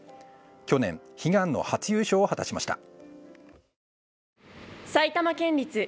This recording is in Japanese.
去年、悲願の初優勝を果たしました。